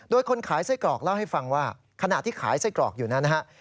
โดยคนขายไส้กรอกเล่าให้ฟังว่าขณะที่ขายไส้กรอกอยู่นั้นนะฮะ